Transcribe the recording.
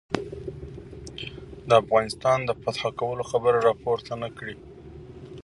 د افغانستان د فتح کولو خبره را پورته نه کړي.